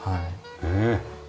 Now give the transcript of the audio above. ねえ。